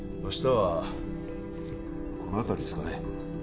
明日はこの辺りですかね